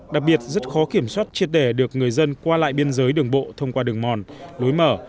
đặc biệt rất khó kiểm soát triệt đề được người dân qua lại biên giới đường bộ thông qua đường mòn lối mở